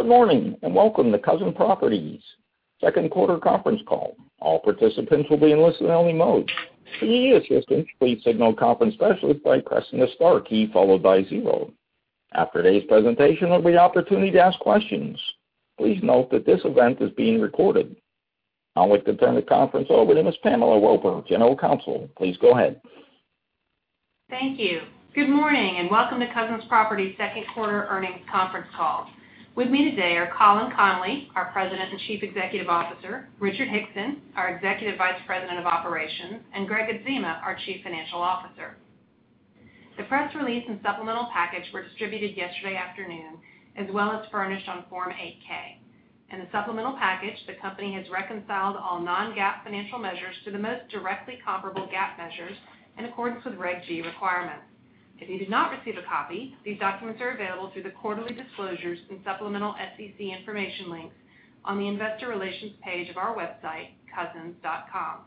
Good morning, and welcome to Cousins Properties second quarter conference call. All participants will be in listen-only mode. If you would like to signal a conference specialist by pressing the star key followed by zero. After today's presentation, there will be an opportunity to ask questions. Please note that this event is being recorded. Now I'd like to turn the conference over to Ms. Pamela Roper, General Counsel. Please go ahead. Thank you. Good morning, welcome to Cousins Properties second quarter earnings conference call. With me today are Colin Connolly, our President and Chief Executive Officer, Richard Hickson, our Executive Vice President of Operations, and Gregg Adzema, our Chief Financial Officer. The press release and supplemental package were distributed yesterday afternoon, as well as furnished on Form 8-K. In the supplemental package, the company has reconciled all non-GAAP financial measures to the most directly comparable GAAP measures in accordance with Regulation G requirements. If you did not receive a copy, these documents are available through the quarterly disclosures in supplemental SEC information links on the investor relations page of our website, cousins.com.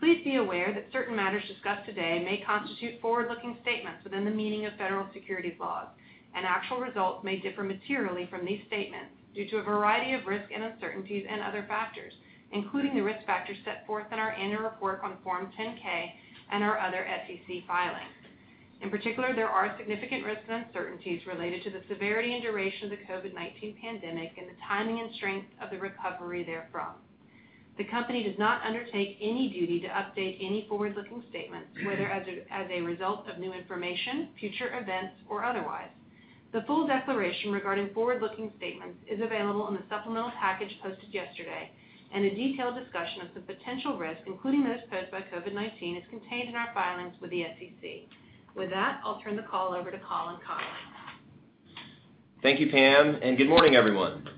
Please be aware that certain matters discussed today may constitute forward-looking statements within the meaning of federal securities laws, and actual results may differ materially from these statements due to a variety of risks and uncertainties and other factors, including the risk factors set forth in our annual report on Form 10-K and our other SEC filings. In particular, there are significant risks and uncertainties related to the severity and duration of the COVID-19 pandemic and the timing and strength of the recovery therefrom. The company does not undertake any duty to update any forward-looking statements, whether as a result of new information, future events, or otherwise. The full declaration regarding forward-looking statements is available on the supplemental package posted yesterday, and a detailed discussion of the potential risks, including those posed by COVID-19, is contained in our filings with the SEC. With that, I'll turn the call over to Colin Connolly. Thank you, Pam. Good morning, everyone.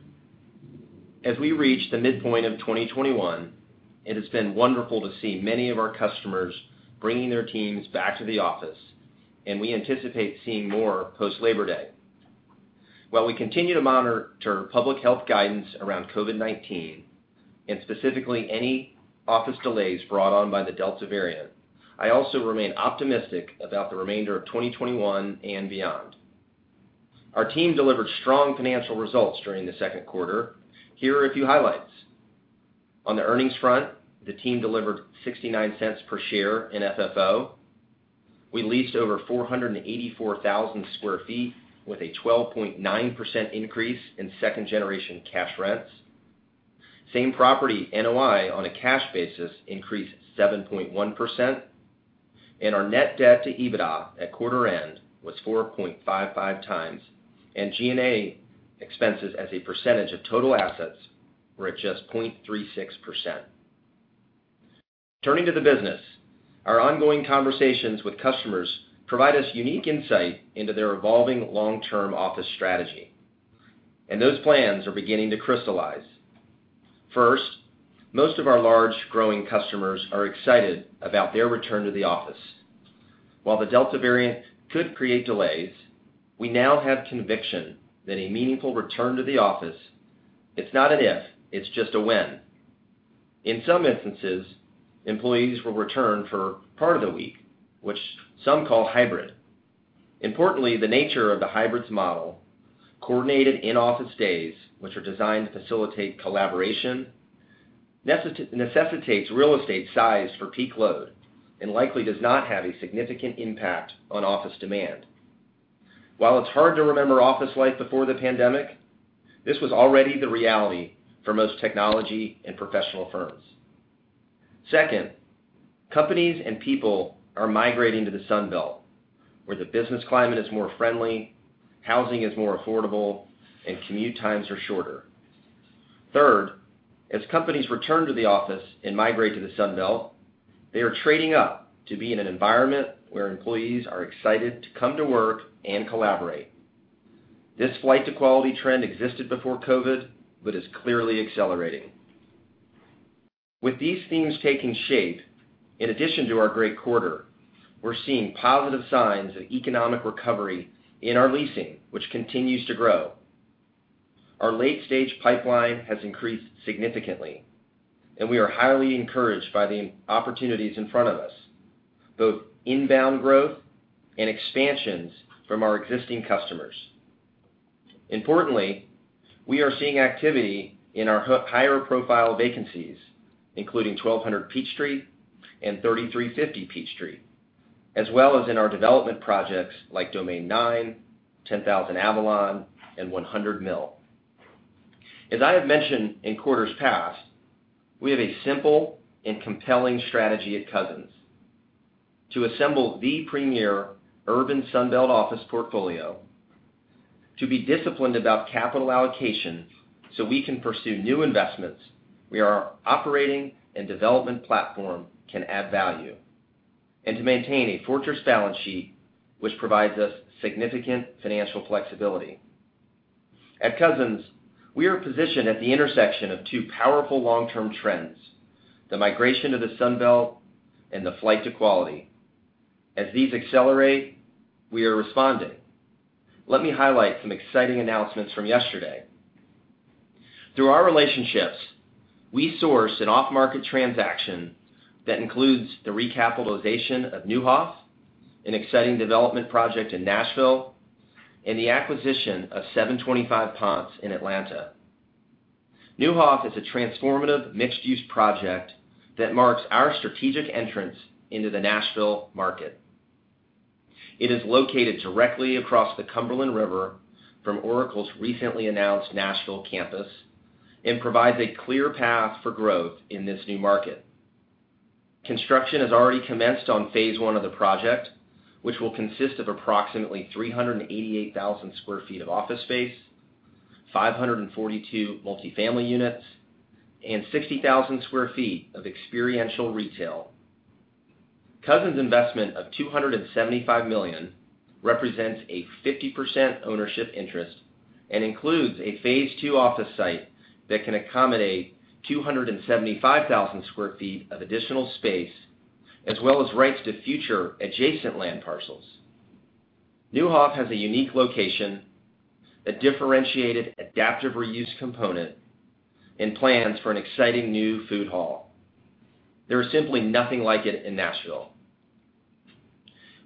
As we reach the midpoint of 2021, it has been wonderful to see many of our customers bringing their teams back to the office, and we anticipate seeing more post-Labor Day. While we continue to monitor public health guidance around COVID-19, and specifically any office delays brought on by the Delta variant, I also remain optimistic about the remainder of 2021 and beyond. Our team delivered strong financial results during the second quarter. Here are a few highlights. On the earnings front, the team delivered $0.69 per share in FFO. We leased over 484,000 sq ft with a 12.9% increase in second-generation cash rents. Same property NOI on a cash basis increased 7.1%, and our net debt to EBITDA at quarter end was 4.55x, and G&A expenses as a % of total assets were at just 0.36%. Turning to the business, our ongoing conversations with customers provide us unique insight into their evolving long-term office strategy, and those plans are beginning to crystallize. First, most of our large growing customers are excited about their return to the office. While the Delta variant could create delays, we now have conviction that a meaningful return to the office, it's not an if, it's just a when. In some instances, employees will return for part of the week, which some call hybrid. Importantly, the nature of the hybrid model, coordinated in-office days, which are designed to facilitate collaboration, necessitates real estate size for peak load and likely does not have a significant impact on office demand. While it's hard to remember office life before the pandemic, this was already the reality for most technology and professional firms. Second, companies and people are migrating to the Sun Belt, where the business climate is more friendly, housing is more affordable, and commute times are shorter. Third, as companies return to the office and migrate to the Sun Belt, they are trading up to be in an environment where employees are excited to come to work and collaborate. This flight to quality trend existed before COVID, but is clearly accelerating. With these themes taking shape, in addition to our great quarter, we're seeing positive signs of economic recovery in our leasing, which continues to grow. Our late stage pipeline has increased significantly, and we are highly encouraged by the opportunities in front of us, both inbound growth and expansions from our existing customers. Importantly, we are seeing activity in our higher profile vacancies, including 1200 Peachtree and 3350 Peachtree, as well as in our development projects like Domain Nine, 10000 Avalon, and 100 Mill. As I have mentioned in quarters past, we have a simple and compelling strategy at Cousins. To assemble the premier urban Sun Belt office portfolio, to be disciplined about capital allocation so we can pursue new investments where our operating and development platform can add value, and to maintain a fortress balance sheet, which provides us significant financial flexibility. At Cousins, we are positioned at the intersection of two powerful long-term trends, the migration to the Sun Belt and the flight to quality. As these accelerate, we are responding. Let me highlight some exciting announcements from yesterday. Through our relationships, we source an off-market transaction that includes the recapitalization of Neuhoff, an exciting development project in Nashville, and the acquisition of 725 Ponce in Atlanta. Neuhoff is a transformative mixed-use project that marks our strategic entrance into the Nashville market. It is located directly across the Cumberland River from Oracle's recently announced Nashville campus and provides a clear path for growth in this new market. Construction has already commenced on phase I of the project, which will consist of approximately 388,000 sq ft of office space, 542 multi-family units, and 60,000 sq ft of experiential retail. Cousins' investment of $275 million represents a 50% ownership interest and includes a phase II office site that can accommodate 275,000 sq ft of additional space, as well as rights to future adjacent land parcels. Neuhoff has a unique location, a differentiated adaptive reuse component, and plans for an exciting new food hall. There is simply nothing like it in Nashville.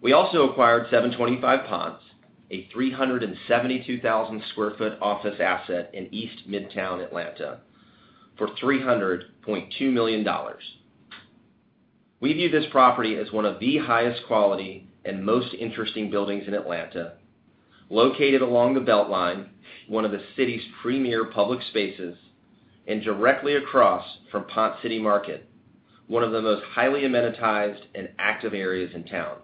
We also acquired 725 Ponce, a 372,000 sq ft office asset in East Midtown Atlanta for $300.2 million. We view this property as one of the highest quality and most interesting buildings in Atlanta, located along the BeltLine, one of the city's premier public spaces, and directly across from Ponce City Market, one of the most highly amenitized and active areas in town.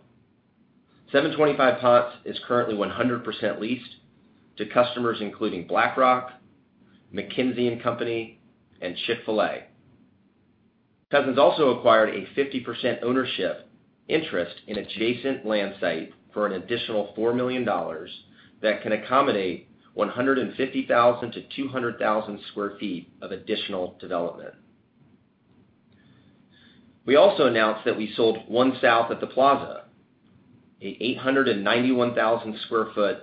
725 Ponce is currently 100% leased to customers including BlackRock, McKinsey & Company, and Chick-fil-A. Cousins also acquired a 50% ownership interest in adjacent land site for an additional $4 million that can accommodate 150,000 sq ft-200,000 sq ft of additional development. We also announced that we sold One South at The Plaza, an 891,000 sq ft,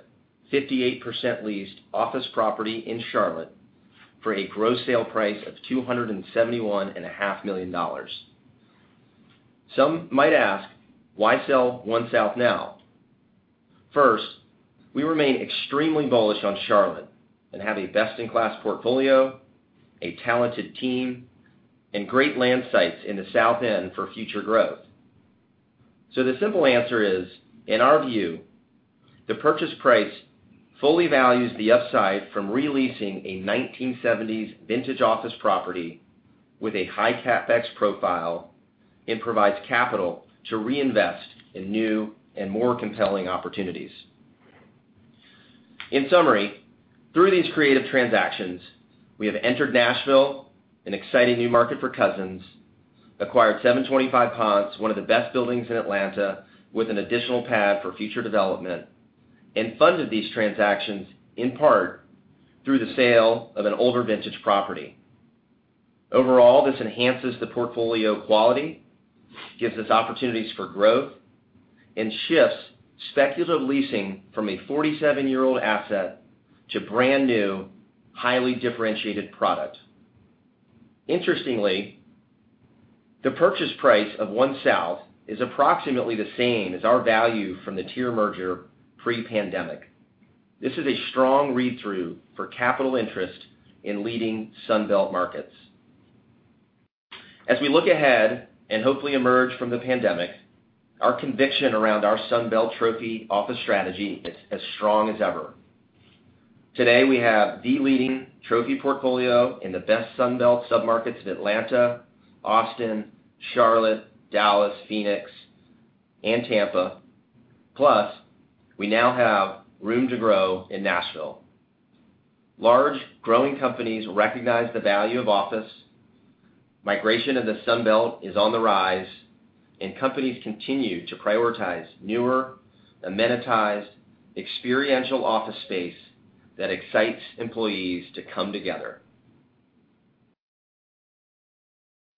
58% leased office property in Charlotte for a gross sale price of $271.5 million. Some might ask, why sell One South now? We remain extremely bullish on Charlotte and have a best-in-class portfolio, a talented team, and great land sites in the South End for future growth. The simple answer is, in our view, the purchase price fully values the upside from re-leasing a 1970s vintage office property with a high CapEx profile and provides capital to reinvest in new and more compelling opportunities. In summary, through these creative transactions, we have entered Nashville, an exciting new market for Cousins, acquired 725 Ponce, one of the best buildings in Atlanta with an additional pad for future development, and funded these transactions in part through the sale of an older vintage property. Overall, this enhances the portfolio quality, gives us opportunities for growth, and shifts speculative leasing from a 47-year-old asset to brand-new, highly differentiated product. Interestingly, the purchase price of One South is approximately the same as our value from the TIER merger pre-pandemic. This is a strong read-through for capital interest in leading Sun Belt markets. As we look ahead and hopefully emerge from the pandemic, our conviction around our Sun Belt trophy office strategy is as strong as ever. Today, we have the leading trophy portfolio in the best Sun Belt submarkets in Atlanta, Austin, Charlotte, Dallas, Phoenix, and Tampa. Plus, we now have room to grow in Nashville. Large, growing companies recognize the value of office. Migration of the Sun Belt is on the rise, and companies continue to prioritize newer, amenitized, experiential office space that excites employees to come together.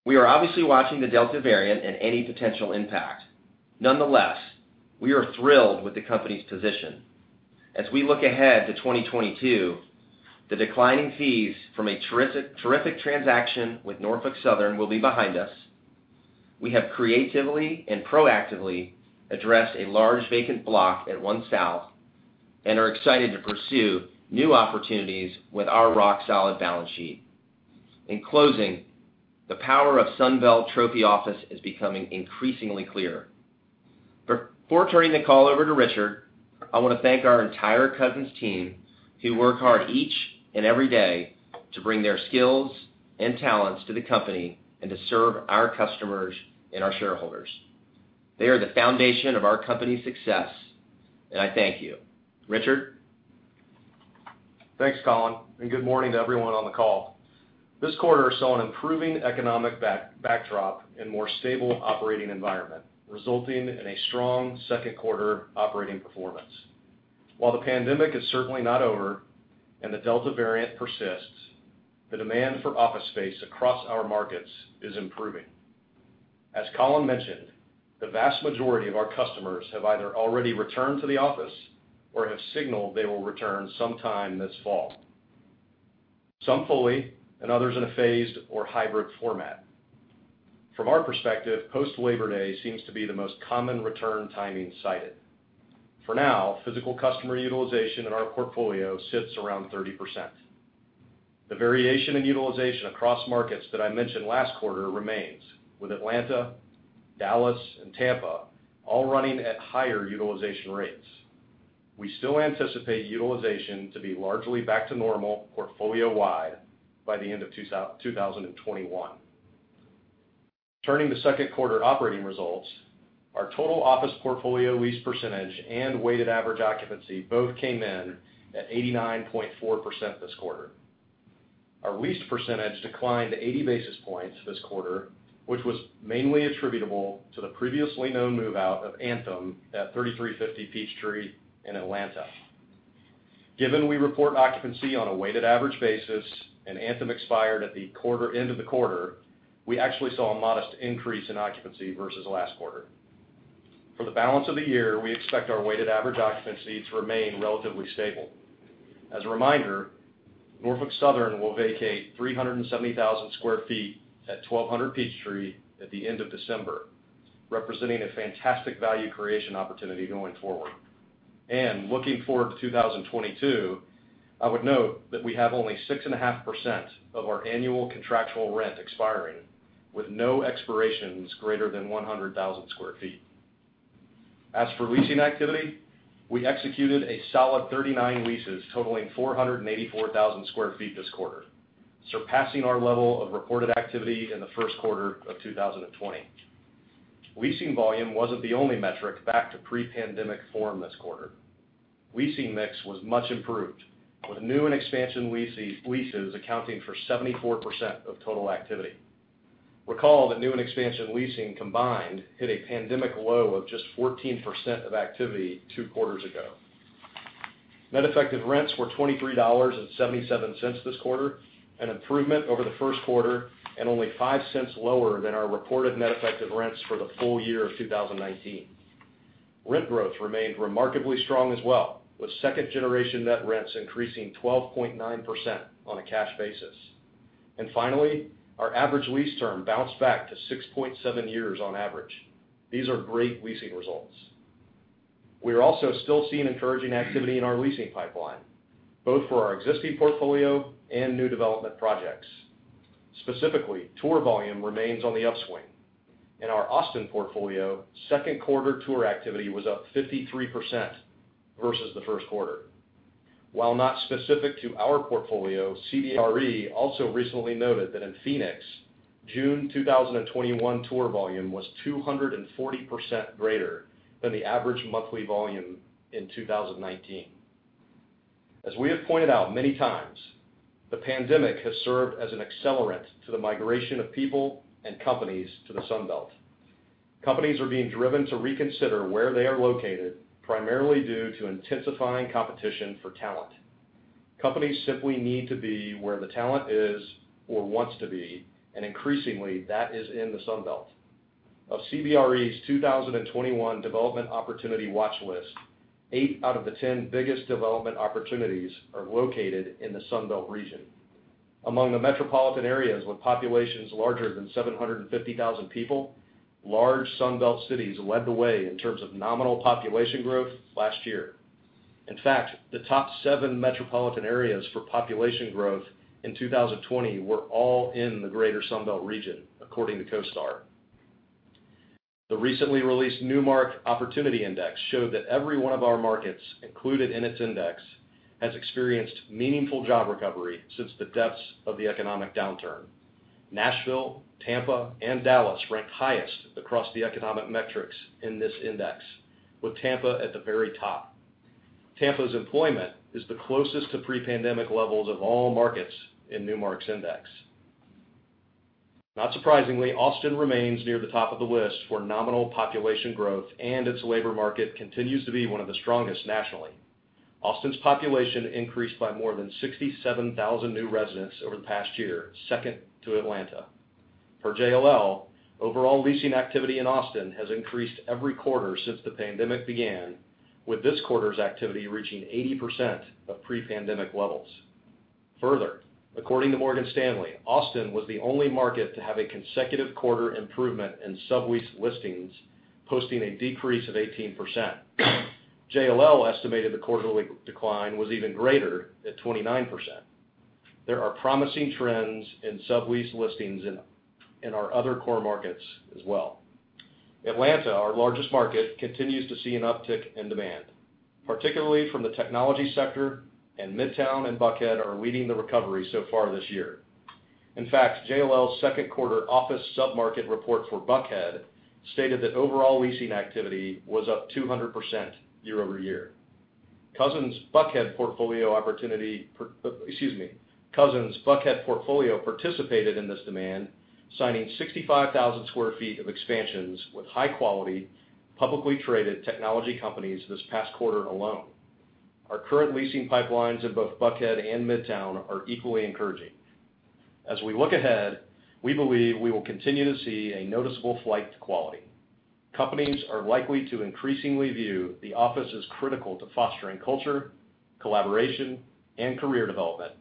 We are obviously watching the Delta variant and any potential impact. Nonetheless, we are thrilled with the company's position. As we look ahead to 2022, the declining fees from a terrific transaction with Norfolk Southern will be behind us. We have creatively and proactively addressed a large vacant block at One South and are excited to pursue new opportunities with our rock-solid balance sheet. In closing, the power of Sun Belt trophy office is becoming increasingly clear. Before turning the call over to Richard, I want to thank our entire Cousins team who work hard each and every day to bring their skills and talents to the company and to serve our customers and our shareholders. They are the foundation of our company's success, and I thank you. Richard? Thanks, Colin, and good morning to everyone on the call. This quarter saw an improving economic backdrop and more stable operating environment, resulting in a strong second quarter operating performance. While the pandemic is certainly not over and the Delta variant persists, the demand for office space across our markets is improving. As Colin mentioned, the vast majority of our customers have either already returned to the office or have signaled they will return sometime this fall. Some fully, and others in a phased or hybrid format. From our perspective, post Labor Day seems to be the most common return timing cited. For now, physical customer utilization in our portfolio sits around 30%. The variation in utilization across markets that I mentioned last quarter remains, with Atlanta, Dallas, and Tampa all running at higher utilization rates. We still anticipate utilization to be largely back to normal portfolio-wide by the end of 2021. Turning to second quarter operating results, our total office portfolio lease % and weighted average occupancy both came in at 89.4% this quarter. Our leased % declined 80 basis points this quarter, which was mainly attributable to the previously known move-out of Anthem at 3350 Peachtree in Atlanta. Given we report occupancy on a weighted average basis and Anthem expired at the end of the quarter, we actually saw a modest increase in occupancy versus last quarter. For the balance of the year, we expect our weighted average occupancy to remain relatively stable. As a reminder, Norfolk Southern will vacate 370,000 sq ft at 1200 Peachtree at the end of December, representing a fantastic value creation opportunity going forward. Looking forward to 2022, I would note that we have only 6.5% of our annual contractual rent expiring, with no expirations greater than 100,000 sq ft. As for leasing activity, we executed a solid 39 leases totaling 484,000 sq ft this quarter, surpassing our level of reported activity in the first quarter of 2020. Leasing volume wasn't the only metric back to pre-pandemic form this quarter. Leasing mix was much improved, with new and expansion leases accounting for 74% of total activity. Recall that new and expansion leasing combined hit a pandemic low of just 14% of activity two quarters ago. Net effective rents were $23.77 this quarter, an improvement over the first quarter and only $0.05 lower than our reported net effective rents for the full year of 2019. Rent growth remained remarkably strong as well, with second generation net rents increasing 12.9% on a cash basis. Finally, our average lease term bounced back to 6.7 years on average. These are great leasing results. We are also still seeing encouraging activity in our leasing pipeline, both for our existing portfolio and new development projects. Specifically, tour volume remains on the upswing. In our Austin portfolio, second quarter tour activity was up 53% versus the first quarter. While not specific to our portfolio, CBRE also recently noted that in Phoenix, June 2021 tour volume was 240% greater than the average monthly volume in 2019. As we have pointed out many times, the pandemic has served as an accelerant to the migration of people and companies to the Sun Belt. Companies are being driven to reconsider where they are located, primarily due to intensifying competition for talent. Companies simply need to be where the talent is or wants to be, and increasingly, that is in the Sun Belt. Of CBRE's 2021 Development Opportunity Watch List, 8 out of the 10 biggest development opportunities are located in the Sun Belt region. Among the metropolitan areas with populations larger than 750,000 people, large Sun Belt cities led the way in terms of nominal population growth last year. In fact, the top 7 metropolitan areas for population growth in 2020 were all in the greater Sun Belt region, according to CoStar. The recently released Newmark Opportunity Index showed that every one of our markets included in its index has experienced meaningful job recovery since the depths of the economic downturn. Nashville, Tampa, and Dallas ranked highest across the economic metrics in this index, with Tampa at the very top. Tampa's employment is the closest to pre-pandemic levels of all markets in Newmark's index. Not surprisingly, Austin remains near the top of the list for nominal population growth, and its labor market continues to be one of the strongest nationally. Austin's population increased by more than 67,000 new residents over the past year, second to Atlanta. Per JLL, overall leasing activity in Austin has increased every quarter since the pandemic began, with this quarter's activity reaching 80% of pre-pandemic levels. Further, according to Morgan Stanley, Austin was the only market to have a consecutive quarter improvement in sublease listings, posting a decrease of 18%. JLL estimated the quarterly decline was even greater at 29%. There are promising trends in sublease listings in our other core markets as well. Atlanta, our largest market, continues to see an uptick in demand, particularly from the technology sector, and Midtown and Buckhead are leading the recovery so far this year. JLL's second quarter office submarket report for Buckhead stated that overall leasing activity was up 200% year-over-year. Cousins Buckhead portfolio participated in this demand, signing 65,000 sq ft of expansions with high-quality, publicly traded technology companies this past quarter alone. Our current leasing pipelines in both Buckhead and Midtown are equally encouraging. As we look ahead, we believe we will continue to see a noticeable flight to quality. Companies are likely to increasingly view the office as critical to fostering culture, collaboration, and career development,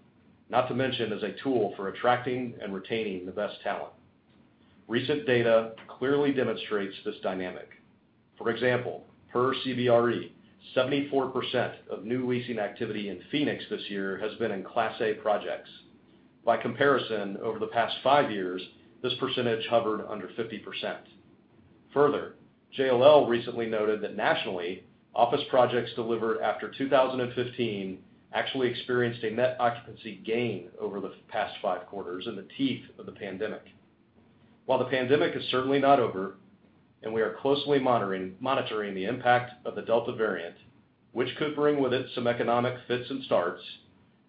not to mention as a tool for attracting and retaining the best talent. Recent data clearly demonstrates this dynamic. For example, per CBRE, 74% of new leasing activity in Phoenix this year has been in Class A projects. By comparison, over the past five years, this % hovered under 50%. Further, JLL recently noted that nationally, office projects delivered after 2015 actually experienced a net occupancy gain over the past five quarters in the teeth of the pandemic. While the pandemic is certainly not over, and we are closely monitoring the impact of the Delta variant, which could bring with it some economic fits and starts,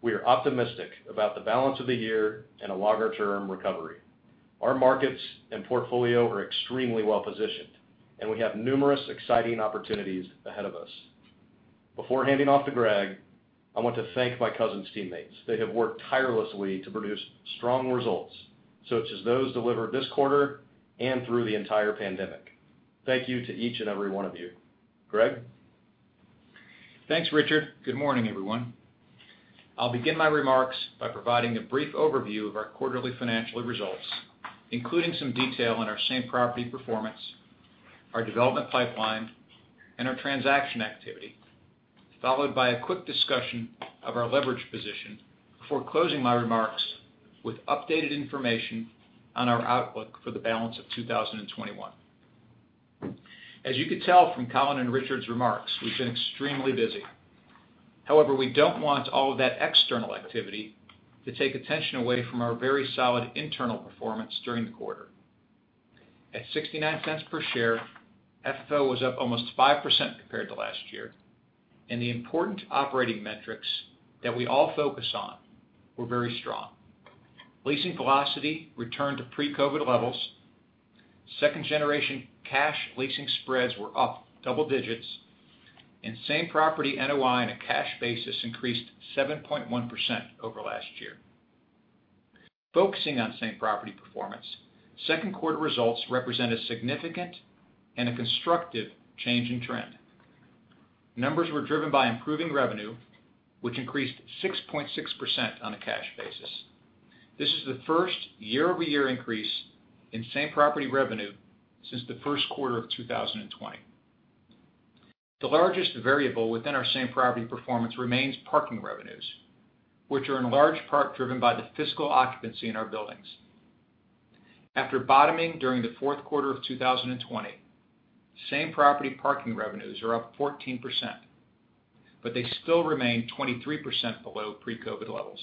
we are optimistic about the balance of the year and a longer-term recovery. Our markets and portfolio are extremely well-positioned, and we have numerous exciting opportunities ahead of us. Before handing off to Gregg, I want to thank my Cousins teammates. They have worked tirelessly to produce strong results, such as those delivered this quarter and through the entire pandemic. Thank you to each and every one of you. Gregg? Thanks, Richard. Good morning, everyone. I'll begin my remarks by providing a brief overview of our quarterly financial results, including some detail on our same property performance, our development pipeline, and our transaction activity, followed by a quick discussion of our leverage position before closing my remarks with updated information on our outlook for the balance of 2021. As you could tell from Colin and Richard's remarks, we've been extremely busy. However, we don't want all of that external activity to take attention away from our very solid internal performance during the quarter. At $0.69 per share, FFO was up almost 5% compared to last year, and the important operating metrics that we all focus on were very strong. Leasing velocity returned to pre-COVID-19 levels. Second-generation cash leasing spreads were up double digits, and same property NOI on a cash basis increased 7.1% over last year. Focusing on same property performance, second quarter results represent a significant and a constructive change in trend. Numbers were driven by improving revenue, which increased 6.6% on a cash basis. This is the first year-over-year increase in same property revenue since the first quarter of 2020. The largest variable within our same property performance remains parking revenues, which are in large part driven by the physical occupancy in our buildings. After bottoming during the fourth quarter of 2020, same property parking revenues are up 14%, but they still remain 23% below pre-COVID levels.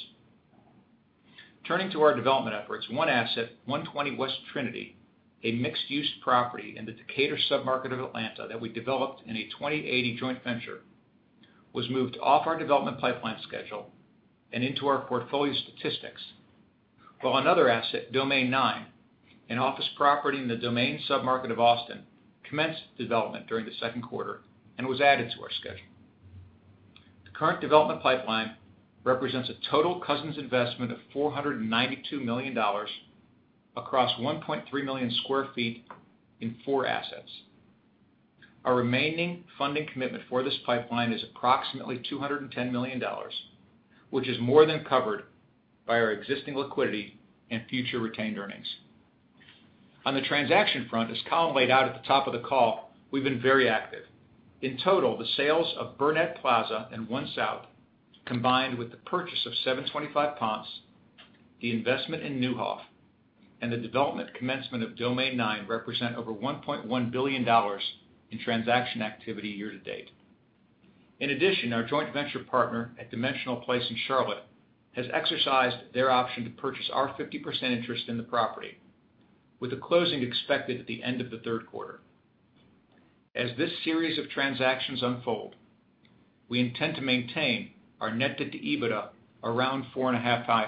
Turning to our development efforts, one asset, 120 West Trinity, a mixed-use property in the Decatur submarket of Atlanta that we developed in a 20/80 joint venture, was moved off our development pipeline schedule and into our portfolio statistics. While another asset, Domain Nine, an office property in the Domain submarket of Austin, commenced development during the second quarter and was added to our schedule. The current development pipeline represents a total Cousins investment of $492 million across 1.3 million sq ft in 4 assets. Our remaining funding commitment for this pipeline is approximately $210 million, which is more than covered by our existing liquidity and future retained earnings. On the transaction front, as Colin laid out at the top of the call, we've been very active. In total, the sales of Burnett Plaza and One South, combined with the purchase of 725 Ponce, the investment in Neuhoff, and the development commencement of Domain Nine represent over $1.1 billion in transaction activity year to date. In addition, our joint venture partner at Dimensional Place in Charlotte has exercised their option to purchase our 50% interest in the property, with the closing expected at the end of the third quarter. As this series of transactions unfold, we intend to maintain our net debt to EBITDA around 4.5x,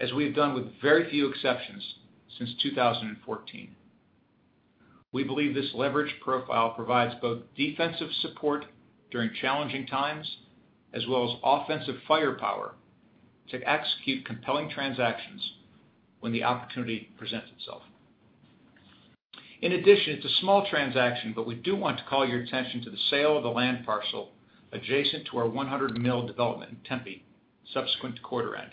as we've done with very few exceptions since 2014. We believe this leverage profile provides both defensive support during challenging times as well as offensive firepower to execute compelling transactions when the opportunity presents itself. In addition, it's a small transaction, but we do want to call your attention to the sale of the land parcel adjacent to our 100 Mill development in Tempe subsequent to quarter end.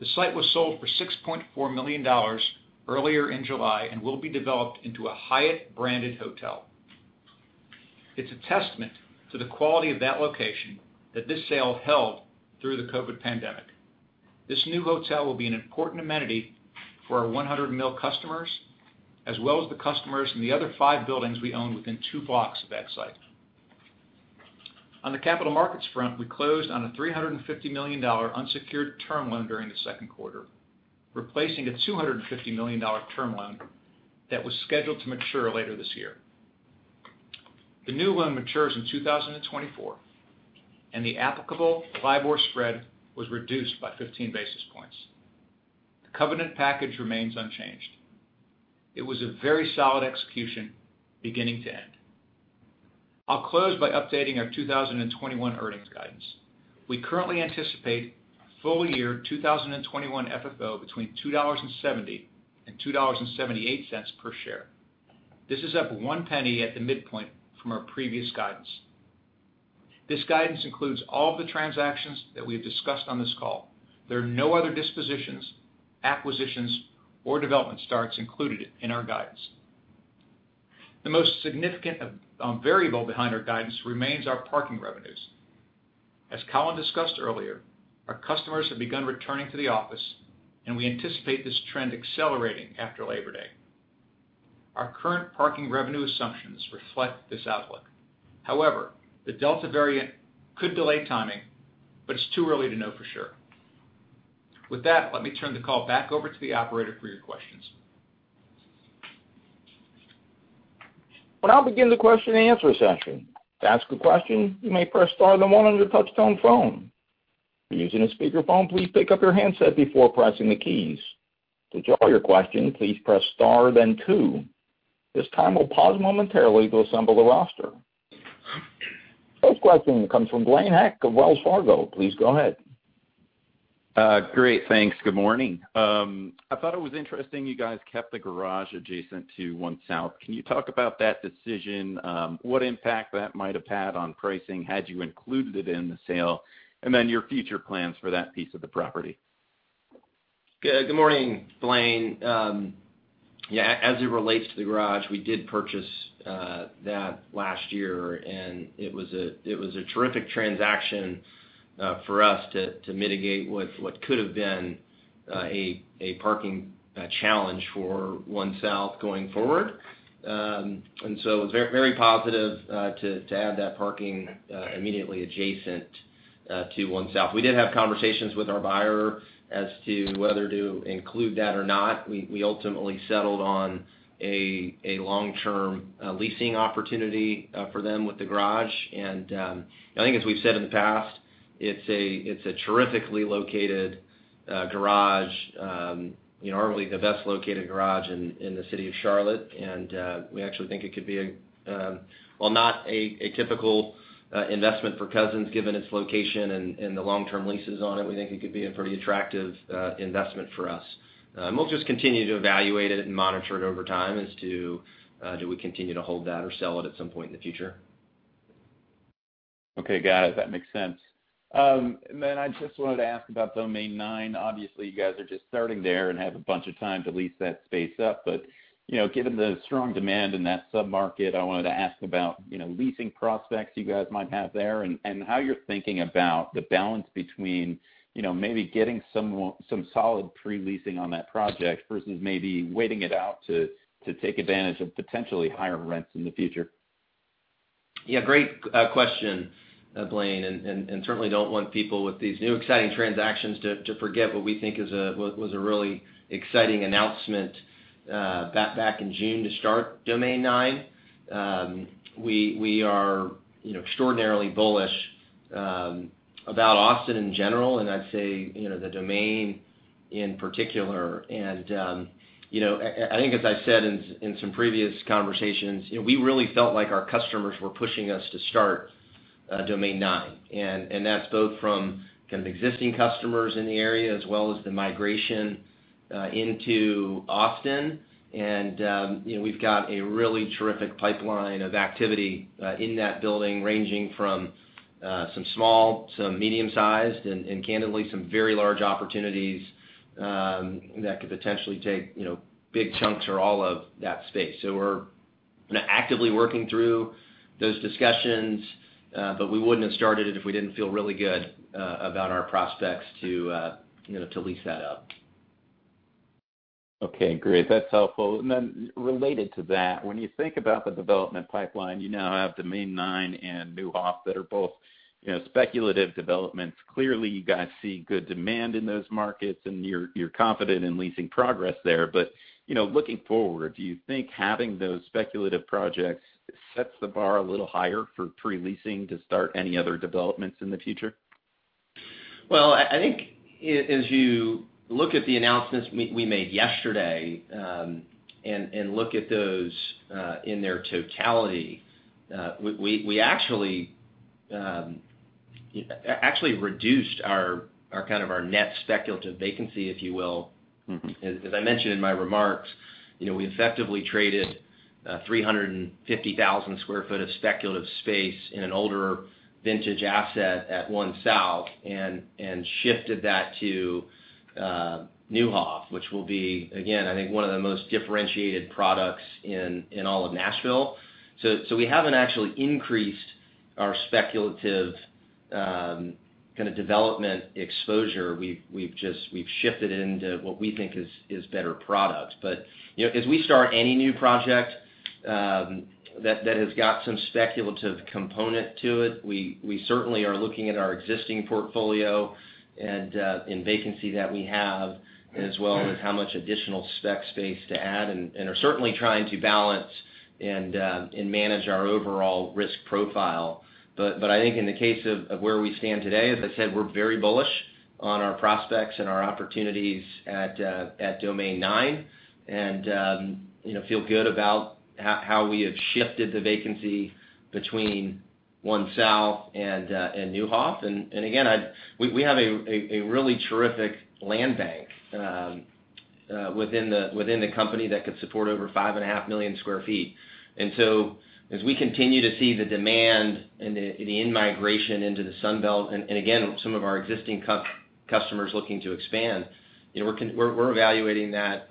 The site was sold for $6.4 million earlier in July and will be developed into a Hyatt branded hotel. It's a testament to the quality of that location that this sale held through the COVID pandemic. This new hotel will be an important amenity for our 100 Mill customers, as well as the customers in the other five buildings we own within two blocks of that site. On the capital markets front, we closed on a $350 million unsecured term loan during the second quarter, replacing a $250 million term loan that was scheduled to mature later this year. The new loan matures in 2024, and the applicable LIBOR spread was reduced by 15 basis points. The covenant package remains unchanged. It was a very solid execution beginning to end. I'll close by updating our 2021 earnings guidance. We currently anticipate full year 2021 FFO between $2.70 and $2.78 per share. This is up $0.01 at the midpoint from our previous guidance. This guidance includes all of the transactions that we've discussed on this call. There are no other dispositions, acquisitions, or development starts included in our guidance. The most significant variable behind our guidance remains our parking revenues. As Colin discussed earlier, our customers have begun returning to the office, and we anticipate this trend accelerating after Labor Day. Our current parking revenue assumptions reflect this outlook. However, the Delta variant could delay timing, but it's too early to know for sure. With that, let me turn the call back over to the operator for your questions. Well, I'll begin the question and answer session. To ask a question, you may press star then one on your touchtone phone. If you're using a speakerphone, please pick up your handset before pressing the keys. To withdraw your question, please press star then two. This time we'll pause momentarily to assemble the roster. First question comes from Blaine Heck of Wells Fargo. Please go ahead. Great. Thanks. Good morning. I thought it was interesting you guys kept the garage adjacent to One South. Can you talk about that decision? What impact that might have had on pricing had you included it in the sale, your future plans for that piece of the property? Good morning, Blaine. Yeah. As it relates to the garage, we did purchase that last year, and it was a terrific transaction for us to mitigate what could have been a parking challenge for One South going forward. It was very positive to add that parking immediately adjacent to One South. We did have conversations with our buyer as to whether to include that or not. We ultimately settled on a long-term leasing opportunity for them with the garage. I think as we've said in the past, it's a terrifically located garage. Arguably the best-located garage in the city of Charlotte. We actually think it could be, while not a typical investment for Cousins, given its location and the long-term leases on it, we think it could be a pretty attractive investment for us. We'll just continue to evaluate it and monitor it over time as to do we continue to hold that or sell it at some point in the future. Okay, got it. That makes sense. I just wanted to ask about Domain Nine. Obviously, you guys are just starting there and have a bunch of time to lease that space up, but given the strong demand in that sub-market, I wanted to ask about leasing prospects you guys might have there, and how you're thinking about the balance between maybe getting some solid pre-leasing on that project versus maybe waiting it out to take advantage of potentially higher rents in the future. Great question, Blaine. Certainly don't want people with these new exciting transactions to forget what we think was a really exciting announcement back in June to start Domain Nine. We are extraordinarily bullish about Austin in general, I'd say the Domain in particular. I think as I said in some previous conversations, we really felt like our customers were pushing us to start Domain Nine. That's both from kind of existing customers in the area, as well as the migration into Austin. We've got a really terrific pipeline of activity in that building, ranging from some small to medium-sized, and candidly, some very large opportunities that could potentially take big chunks or all of that space. We're actively working through those discussions, but we wouldn't have started it if we didn't feel really good about our prospects to lease that up. Okay, great. That's helpful. Related to that, when you think about the development pipeline, you now have Domain Nine and Neuhoff that are both speculative developments. Clearly, you guys see good demand in those markets, and you're confident in leasing progress there. Looking forward, do you think having those speculative projects sets the bar a little higher for pre-leasing to start any other developments in the future? Well, I think as you look at the announcements we made yesterday, and look at those in their totality, we actually reduced our kind of our net speculative vacancy, if you will. As I mentioned in my remarks, we effectively traded 350,000 sq ft of speculative space in an older vintage asset at One South and shifted that to Neuhoff, which will be, again, I think one of the most differentiated products in all of Nashville. We haven't actually increased our speculative kind of development exposure. We've shifted it into what we think is better product. As we start any new project that has got some speculative component to it, we certainly are looking at our existing portfolio and vacancy that we have, as well as how much additional spec space to add, and are certainly trying to balance and manage our overall risk profile. I think in the case of where we stand today, as I said, we're very bullish on our prospects and our opportunities at Domain 9, and feel good about how we have shifted the vacancy between One South and Neuhoff. Again, we have a really terrific land bank within the company that could support over five and a half million sq ft. As we continue to see the demand and the in-migration into the Sun Belt, and again, some of our existing customers looking to expand, we're evaluating that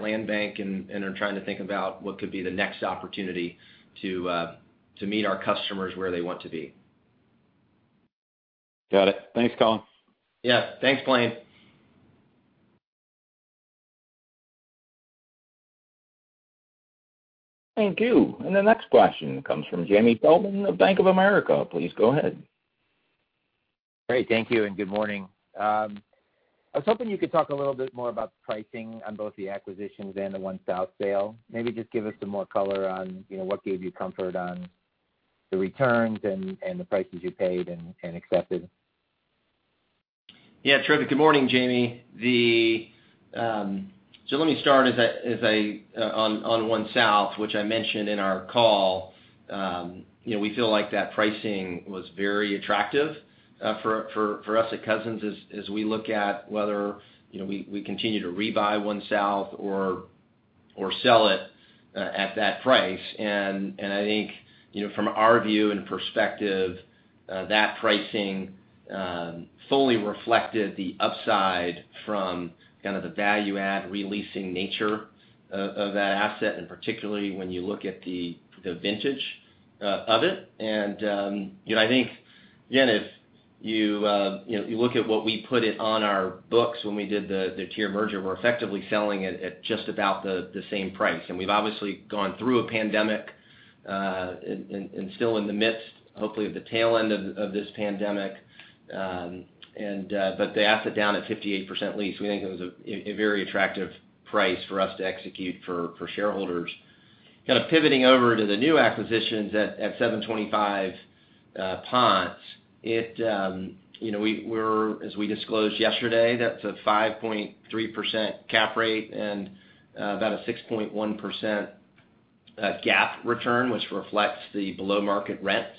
land bank and are trying to think about what could be the next opportunity to meet our customers where they want to be. Got it. Thanks, Colin. Yeah. Thanks, Blaine. Thank you. The next question comes from Jamie Feldman of Bank of America. Please go ahead. Great. Thank you, and good morning. I was hoping you could talk a little bit more about pricing on both the acquisitions and the One South sale. Maybe just give us some more color on what gave you comfort on the returns and the prices you paid and accepted. Yeah, terrific. Good morning, Jamie. Let me start on One South, which I mentioned in our call. We feel like that pricing was very attractive for us at Cousins as we look at whether we continue to rebuy One South or sell it at that price. I think from our view and perspective, that pricing fully reflected the upside from kind of the value-add re-leasing nature of that asset, and particularly when you look at the vintage of it. I think, again, if you look at what we put it on our books when we did the TIER merger, we're effectively selling it at just about the same price. We've obviously gone through a pandemic, and still in the midst, hopefully at the tail end of this pandemic. The asset down at 58% lease, we think it was a very attractive price for us to execute for shareholders. Kind of pivoting over to the new acquisitions at 725 Ponce, as we disclosed yesterday, that's a 5.3% cap rate and about a 6.1% GAAP return, which reflects the below-market rents.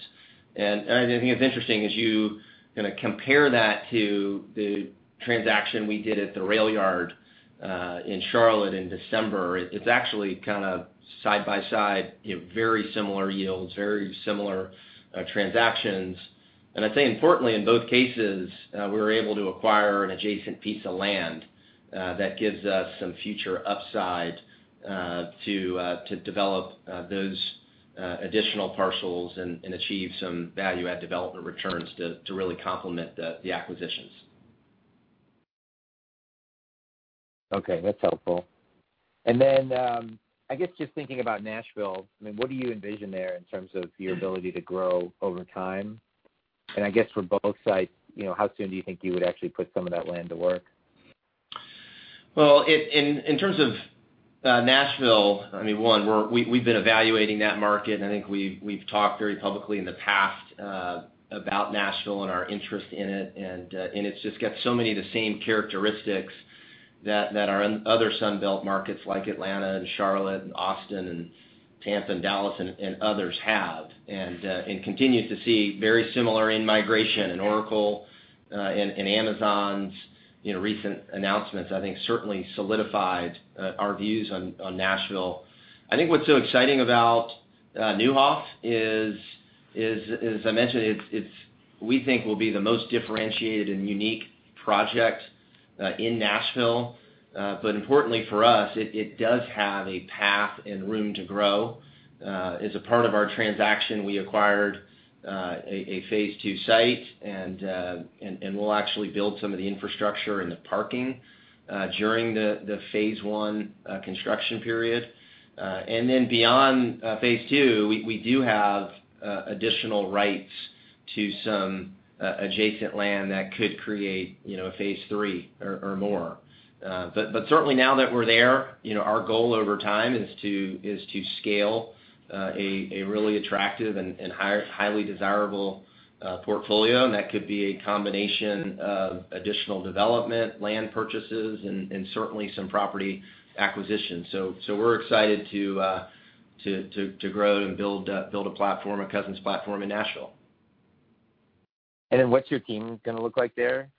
I think it's interesting as you kind of compare that to the transaction we did at The RailYard in Charlotte in December, it's actually kind of side by side, very similar yields, very similar transactions. I'd say importantly in both cases, we were able to acquire an adjacent piece of land that gives us some future upside to develop those additional parcels and achieve some value-add development returns to really complement the acquisitions. Okay, that's helpful. Then, I guess just thinking about Nashville, what do you envision there in terms of your ability to grow over time? I guess for both sites, how soon do you think you would actually put some of that land to work? Well, in terms of Nashville, one, we've been evaluating that market, and I think we've talked very publicly in the past about Nashville and our interest in it. It's just got so many of the same characteristics that our other Sun Belt markets like Atlanta and Charlotte and Austin and Tampa and Dallas and others have. Continue to see very similar in-migration and Oracle and Amazon's recent announcements, I think certainly solidified our views on Nashville. I think what's so exciting about Neuhoff is, as I mentioned, it's we think will be the most differentiated and unique project in Nashville. Importantly for us, it does have a path and room to grow. As a part of our transaction, we acquired a phase II site, and we'll actually build some of the infrastructure and the parking during the phase I construction period. Beyond phase II, we do have additional rights to some adjacent land that could create a phase III or more. Certainly now that we're there, our goal over time is to scale a really attractive and highly desirable portfolio, and that could be a combination of additional development, land purchases, and certainly some property acquisition. We're excited to grow and build a platform, a Cousins platform in Nashville. What's your team going to look like there?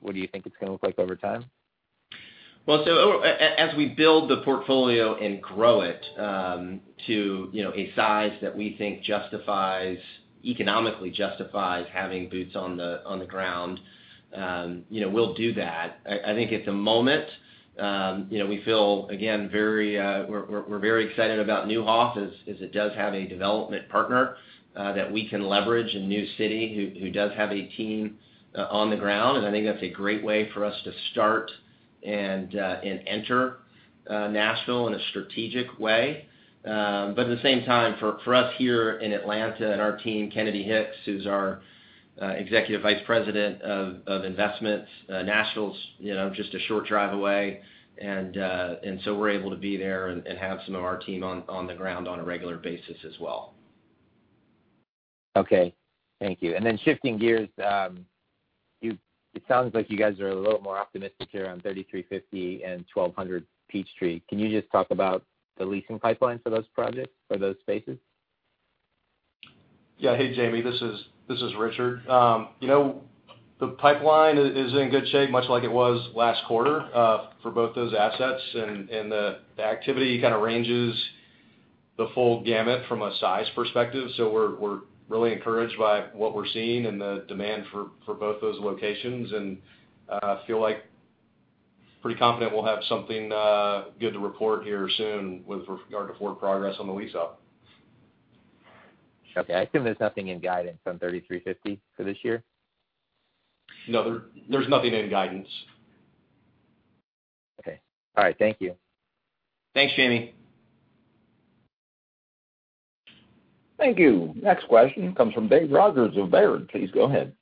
What do you think it's going to look like over time? As we build the portfolio and grow it to a size that we think economically justifies having boots on the ground, we'll do that. At the moment, we're very excited about Neuhoff as it does have a development partner that we can leverage in New City who does have a team on the ground. I think that's a great way for us to start and enter Nashville in a strategic way. At the same time, for us here in Atlanta and our team, Kennedy Hicks, who's our Executive Vice President of Investments, Nashville's just a short drive away. We're able to be there and have some of our team on the ground on a regular basis as well. Okay. Thank you. Shifting gears, it sounds like you guys are a little more optimistic here on 3350 and 1200 Peachtree. Can you just talk about the leasing pipeline for those projects, for those spaces? Hey, Jamie, this is Richard. The pipeline is in good shape, much like it was last quarter, for both those assets. The activity kind of ranges the full gamut from a size perspective. We're really encouraged by what we're seeing and the demand for both those locations, and feel pretty confident we'll have something good to report here soon with regard to floor progress on the lease-up. Okay. I assume there's nothing in guidance on 3350 for this year? No, there's nothing in guidance. Okay. All right. Thank you. Thanks, Jamie. Thank you. Next question comes from Dave Rodgers of Baird. Please go ahead.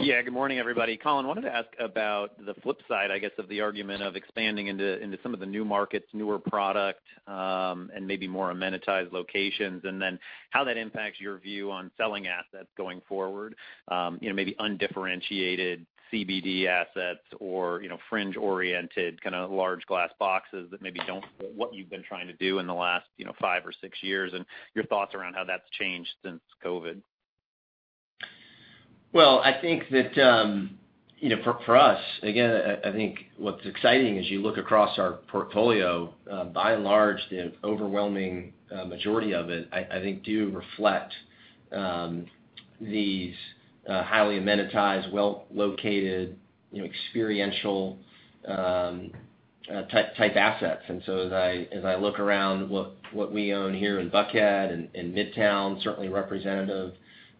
Yeah. Good morning, everybody. Colin, wanted to ask about the flip side, I guess, of the argument of expanding into some of the new markets, newer product, and maybe more amenitized locations. How that impacts your view on selling assets going forward. Maybe undifferentiated CBD assets or fringe-oriented kind of large glass boxes that maybe don't fit what you've been trying to do in the last five or six years, and your thoughts around how that's changed since COVID. I think that, for us, again, I think what's exciting is you look across our portfolio, by and large, the overwhelming majority of it, I think, do reflect these highly amenitized, well-located, experiential type assets. As I look around what we own here in Buckhead and Midtown, certainly representative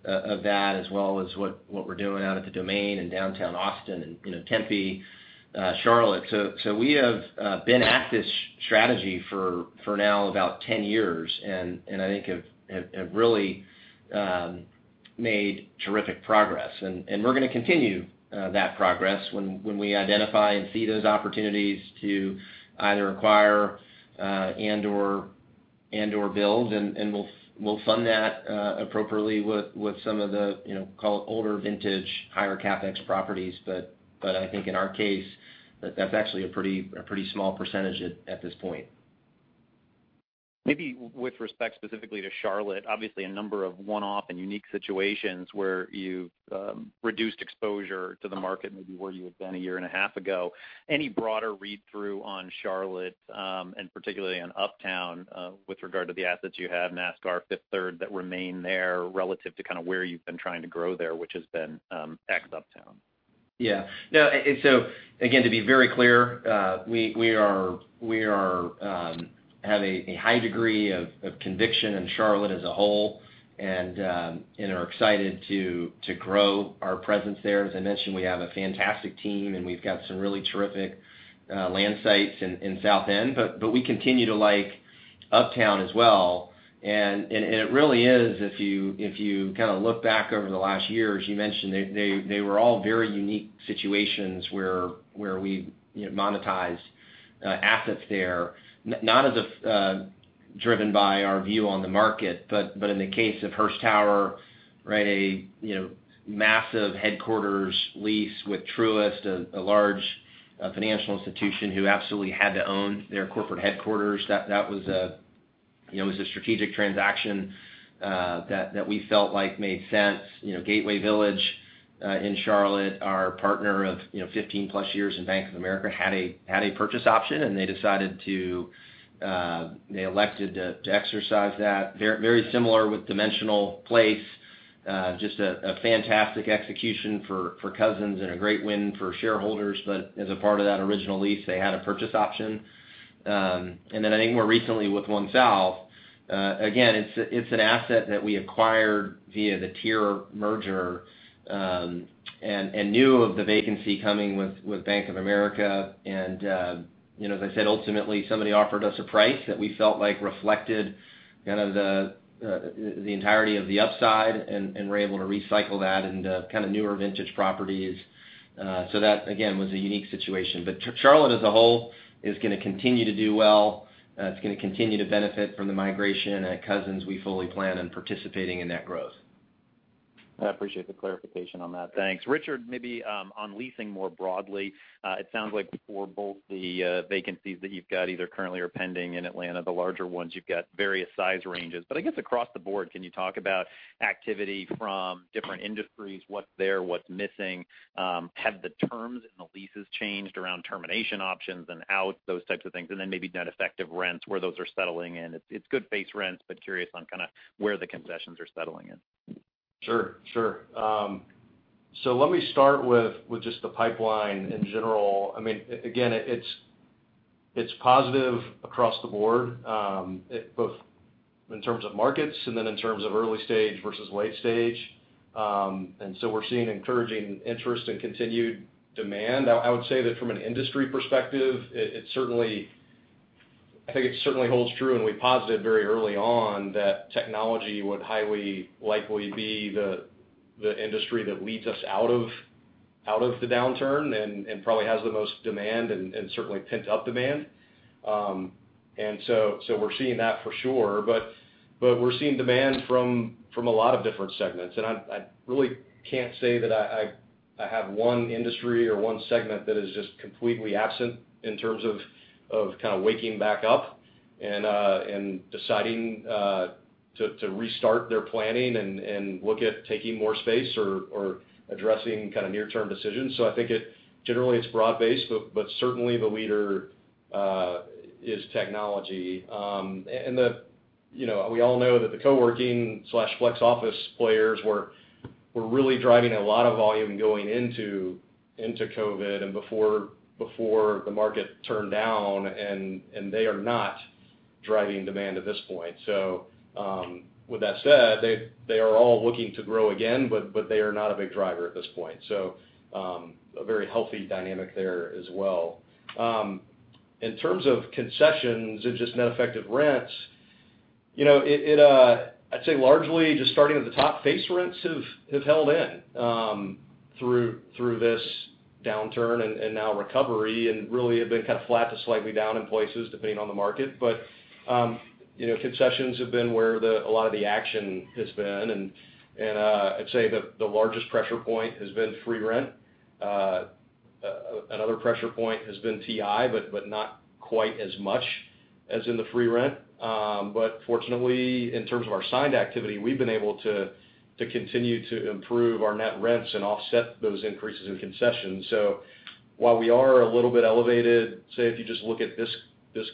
of that, as well as what we're doing out at The Domain in Downtown Austin and Tempe, Charlotte. We have been at this strategy for now about 10 years, and I think have really made terrific progress. We're going to continue that progress when we identify and see those opportunities to either acquire and/or build, and we'll fund that appropriately with some of the, call it older vintage, higher CapEx properties. I think in our case, that's actually a pretty small % at this point. Maybe with respect specifically to Charlotte, obviously a number of one-off and unique situations where you've reduced exposure to the market, maybe where you had been a year and a half ago. Any broader read-through on Charlotte, and particularly on Uptown, with regard to the assets you have, NASCAR, Fifth Third, that remain there relative to kind of where you've been trying to grow there, which has been ex-Uptown? Yeah. Again, to be very clear, we have a high degree of conviction in Charlotte as a whole and are excited to grow our presence there. As I mentioned, we have a fantastic team, and we've got some really terrific land sites in South End, but we continue to like Uptown as well. It really is, if you kind of look back over the last year, as you mentioned, they were all very unique situations where we monetized assets there, not as driven by our view on the market. In the case of Hearst Tower, a massive headquarters lease with Truist, a large financial institution who absolutely had to own their corporate headquarters. That was a strategic transaction that we felt made sense. Gateway Village in Charlotte, our partner of 15+ years in Bank of America, had a purchase option, and they elected to exercise that. Very similar with Dimensional Place. Just a fantastic execution for Cousins and a great win for shareholders. As a part of that original lease, they had a purchase option. I think more recently with One South, again, it's an asset that we acquired via the TIER merger and knew of the vacancy coming with Bank of America. As I said, ultimately, somebody offered us a price that we felt reflected kind of the entirety of the upside, and we're able to recycle that into kind of newer vintage properties. That, again, was a unique situation. Charlotte as a whole is going to continue to do well. It's going to continue to benefit from the migration. At Cousins, we fully plan on participating in that growth. I appreciate the clarification on that. Thanks. Richard, maybe on leasing more broadly, it sounds like for both the vacancies that you've got, either currently or pending in Atlanta, the larger ones, you've got various size ranges. I guess across the board, can you talk about activity from different industries? What's there? What's missing? Have the terms in the leases changed around termination options and out, those types of things? Then maybe net effective rents, where those are settling in. It's good base rents, curious on kind of where the concessions are settling in. Sure. Let me start with just the pipeline in general. Again, it's positive across the board, both in terms of markets and then in terms of early stage versus late stage. We're seeing encouraging interest and continued demand. I would say that from an industry perspective, I think it certainly holds true. We posited very early on that technology would highly likely be the industry that leads us out of. Out of the downturn and probably has the most demand and certainly pent-up demand. We're seeing that for sure. We're seeing demand from a lot of different segments. I really can't say that I have one industry or one segment that is just completely absent in terms of kind of waking back up and deciding to restart their planning and look at taking more space or addressing kind of near-term decisions. I think generally, it's broad-based, but certainly the leader is technology. We all know that the co-working/flex office players were really driving a lot of volume going into COVID and before the market turned down, and they are not driving demand at this point. With that said, they are all looking to grow again, but they are not a big driver at this point. A very healthy dynamic there as well. In terms of concessions and just net effective rents, I'd say largely just starting at the top, face rents have held in through this downturn and now recovery, and really have been kind of flat to slightly down in places, depending on the market. Concessions have been where a lot of the action has been. I'd say the largest pressure point has been free rent. Another pressure point has been TI, but not quite as much as in the free rent. Fortunately, in terms of our signed activity, we've been able to continue to improve our net rents and offset those increases in concessions. While we are a little bit elevated, say if you just look at this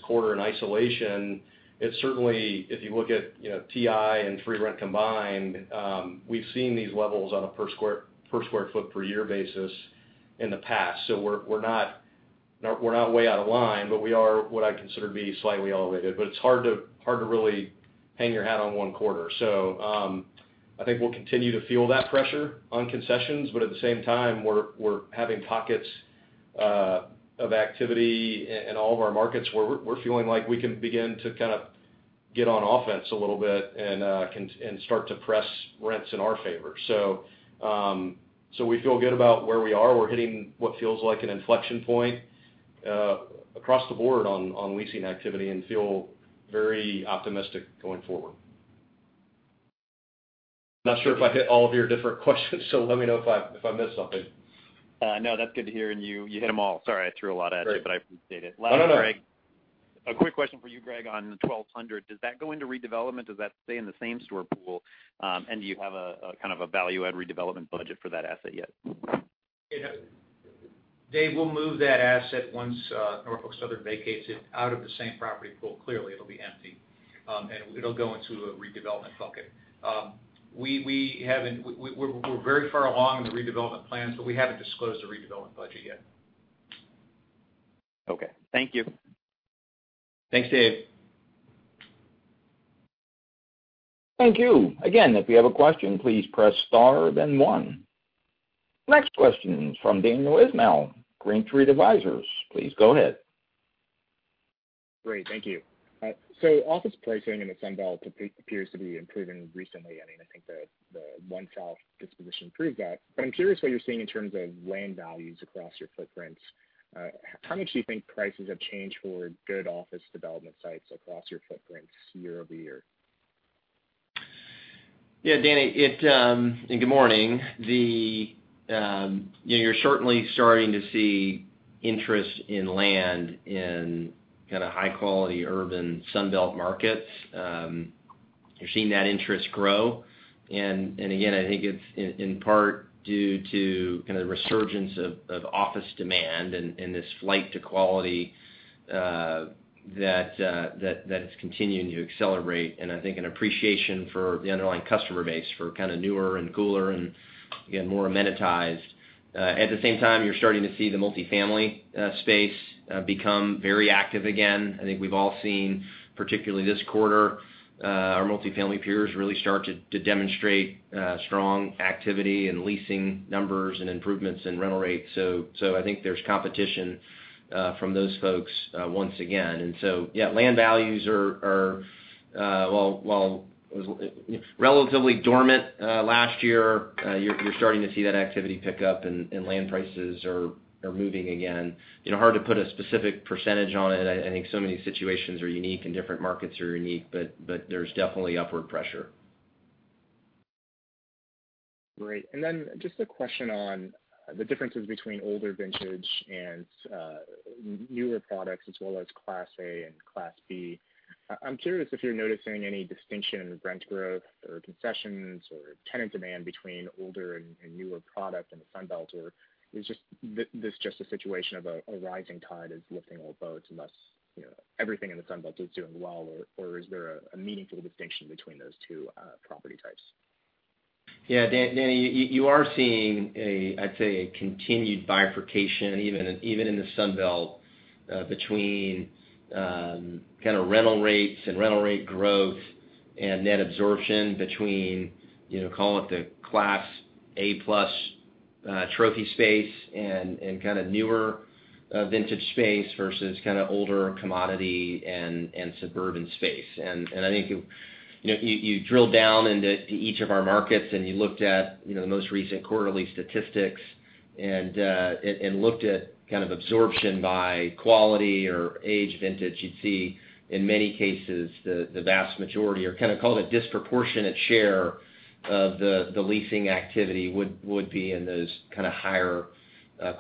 quarter in isolation, it's certainly, if you look at TI and free rent combined, we've seen these levels on a per square foot per year basis in the past. We're not way out of line, but we are what I'd consider to be slightly elevated. It's hard to really hang your hat on one quarter. I think we'll continue to feel that pressure on concessions, but at the same time, we're having pockets of activity in all of our markets where we're feeling like we can begin to kind of get on offense a little bit and start to press rents in our favor. We feel good about where we are. We're hitting what feels like an inflection point across the board on leasing activity and feel very optimistic going forward. I'm not sure if I hit all of your different questions, so let me know if I missed something. No, that's good to hear. You hit them all. Sorry, I threw a lot at you. Great I appreciate it. No, no. Last one, Gregg. A quick question for you, Gregg, on the 1200. Does that go into redevelopment? Does that stay in the same store pool? Do you have a kind of a value add redevelopment budget for that asset yet? Dave, we'll move that asset once Norfolk Southern vacates it out of the same property pool. Clearly, it'll be empty. It'll go into a redevelopment bucket. We're very far along in the redevelopment plans, but we haven't disclosed the redevelopment budget yet. Okay. Thank you. Thanks, David. Thank you. If you have a question, please press star then one. Next question is from Daniel Ismail, Green Street Advisors. Please go ahead. Great. Thank you. Office pricing in the Sun Belt appears to be improving recently. I think the One South disposition proves that. I'm curious what you're seeing in terms of land values across your footprints. How much do you think prices have changed for good office development sites across your footprints year-over-year? Yeah, Danny, good morning. You're certainly starting to see interest in land in kind of high-quality urban Sun Belt markets. You're seeing that interest grow. Again, I think it's in part due to kind of the resurgence of office demand and this flight to quality that is continuing to accelerate and I think an appreciation for the underlying customer base for kind of newer and cooler and, again, more amenitized. At the same time, you're starting to see the multi-family space become very active again. I think we've all seen, particularly this quarter, our multi-family peers really start to demonstrate strong activity in leasing numbers and improvements in rental rates. I think there's competition from those folks once again. Yeah, land values are, while it was relatively dormant last year, you're starting to see that activity pick up and land prices are moving again. Hard to put a specific % on it. I think so many situations are unique, and different markets are unique, but there's definitely upward pressure. Great. Just a question on the differences between older vintage and newer products, as well as Class A and Class B. I'm curious if you're noticing any distinction in rent growth or concessions or tenant demand between older and newer product in the Sun Belt, or is this just a situation of a rising tide is lifting all boats and thus everything in the Sun Belt is doing well, or is there a meaningful distinction between those two property types? Yeah, Danny, you are seeing, I'd say, a continued bifurcation, even in the Sun Belt, between kind of rental rates and rental rate growth and net absorption between, call it the Class A+ trophy space and kind of newer vintage space versus kind of older commodity and suburban space. I think if you drill down into each of our markets and you looked at the most recent quarterly statistics. Looked at kind of absorption by quality or age vintage, you'd see in many cases, the vast majority are kind of called a disproportionate share of the leasing activity would be in those kind of higher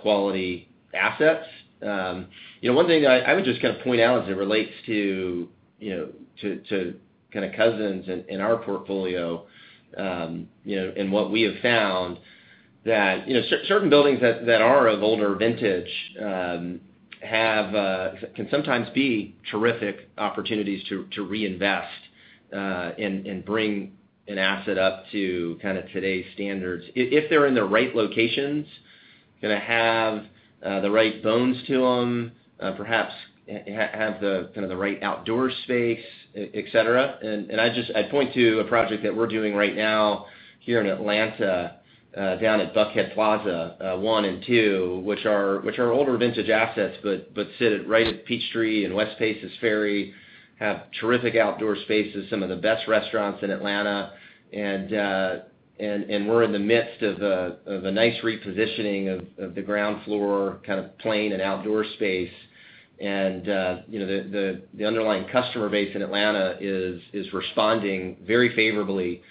quality assets. One thing I would just kind of point out as it relates to kind of Cousins in our portfolio, and what we have found that certain buildings that are of older vintage can sometimes be terrific opportunities to reinvest, and bring an asset up to kind of today's standards. If they're in the right locations, going to have the right bones to them, perhaps have the kind of the right outdoor space, et cetera. I'd point to a project that we're doing right now here in Atlanta, down at Buckhead Plaza 1 and 2, which are older vintage assets, but sit right at Peachtree and West Paces Ferry, have terrific outdoor spaces, some of the best restaurants in Atlanta. We're in the midst of a nice repositioning of the ground floor, kind of plane and outdoor space. The underlying customer base in Atlanta is responding very favorably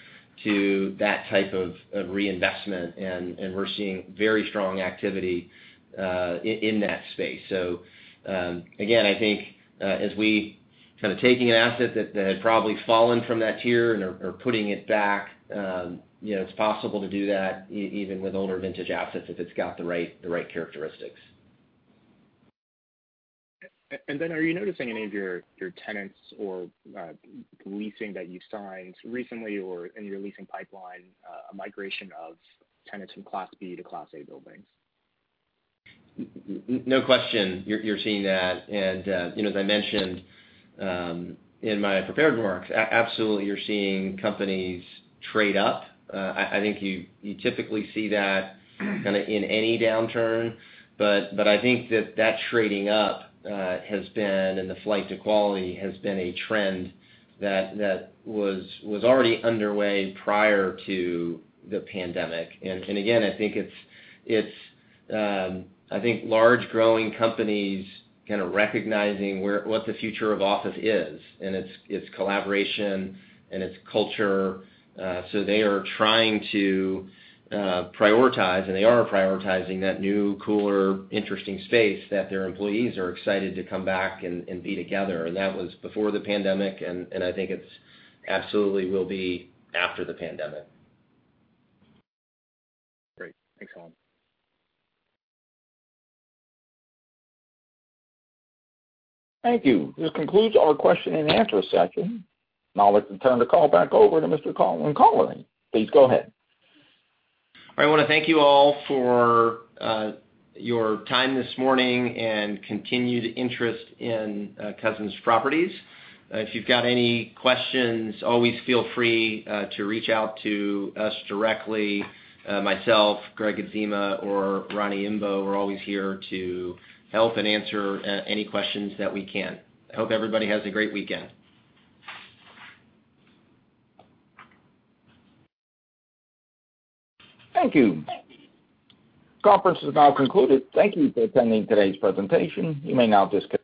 to that type of reinvestment, and we're seeing very strong activity in that space. Again, I think as we kind of taking an asset that had probably fallen from that tier and are putting it back, it's possible to do that even with older vintage assets if it's got the right characteristics. Are you noticing any of your tenants or leasing that you've signed recently or in your leasing pipeline, a migration of tenants from Class B to Class A buildings? No question. You're seeing that and, as I mentioned, in my prepared remarks, absolutely, you're seeing companies trade up. I think you typically see that kind of in any downturn, but I think that that trading up has been, and the flight to quality has been a trend that was already underway prior to the pandemic. Again, I think large growing companies kind of recognizing what the future of office is, and it's collaboration and it's culture. They are trying to prioritize, and they are prioritizing that new, cooler, interesting space that their employees are excited to come back and be together. That was before the pandemic, and I think it absolutely will be after the pandemic. Great. Thanks, Colin. Thank you. This concludes our question and answer session. Now let me turn the call back over to Mr. Colin Connolly. Please go ahead. I want to thank you all for your time this morning and continued interest in Cousins Properties. If you've got any questions, always feel free to reach out to us directly, myself, Gregg Adzema, or Roni Imbeaux. We're always here to help and answer any questions that we can. I hope everybody has a great weekend. Thank you. Conference is now concluded. Thank you for attending today's presentation. You may now disconnect.